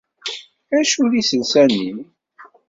Acu n yiselsa-nni!